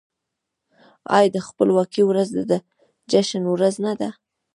آیا د خپلواکۍ ورځ د جشن ورځ نه ده؟